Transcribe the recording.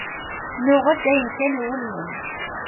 Nuɣ-d ayen kan iwulmen.